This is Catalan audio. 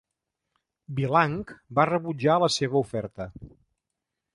Vilanch va rebutjar la seva oferta.